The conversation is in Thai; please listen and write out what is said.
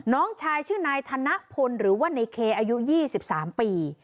น้องชายชื่อนายธนพลหรือว่าในเคอายุยี่สิบสามปี